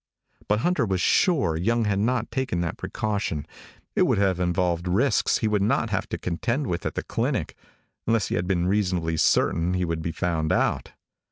But Hunter was sure Young had not taken that precaution. It would have involved risks he would not have to contend with at the clinic, unless he had been reasonably certain he would be found out.